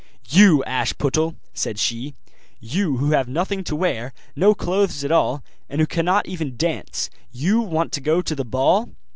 'You, Ashputtel!' said she; 'you who have nothing to wear, no clothes at all, and who cannot even dance you want to go to the ball?